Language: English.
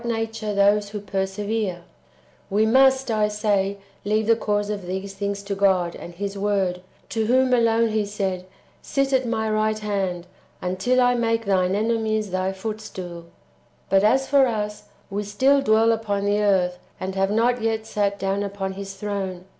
nature those who persevere, — [we must, I say, leave the cause of these things] to God and His Word, to whom alone He said, " Sit at my right hand, until I make Thine enemies Thy footstool."^ But as for us, we still dwell upon the earth, and have not yet sat down upon His throne.